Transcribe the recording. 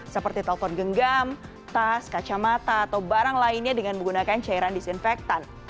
seperti telpon genggam tas kacamata atau barang lainnya dengan menggunakan cairan disinfektan